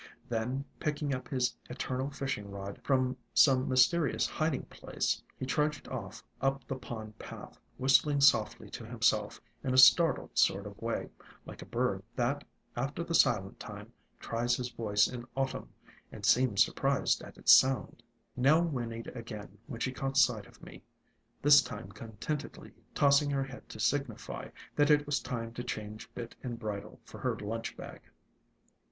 Then, picking up his eter ALONG THE WATERWAYS 53 nal fishing rod from some mysterious hiding place, he trudged off up the pond path, whistling softly to himself in a startled sort of way, like a bird that, after the silent time, tries his voice in Au tumn, and seems surprised at its sound. Nell whinnied again when she caught sight of me, this time contentedly tossing her head to signify that it was time to change bit and bridle for her lunch bag.